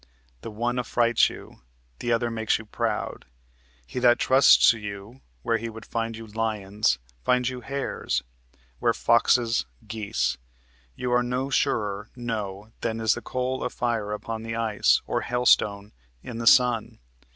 The one affrights you, The other makes you proud. He that trusts to you, Where he would find you lions, finds you hares; Where foxes, geese; you are no surer, no, Than is the coal of fire upon the ice, Or hailstone in the sun.